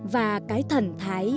và cái thần thái